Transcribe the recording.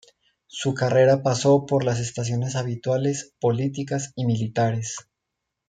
Su carrera pasó por las estaciones habituales políticas y militares.